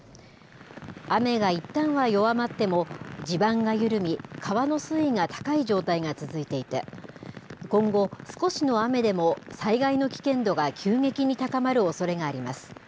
雨がいったんは弱まっても、地盤が緩み、川の水位が高い状態が続いていて、今後、少しの雨でも災害の危険度が急激に高まるおそれがあります。